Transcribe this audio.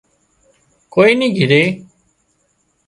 ڪوئي نِي گھري